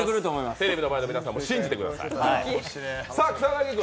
テレビの前の皆さんも信じてください！